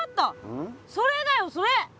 それだよそれ！何よ？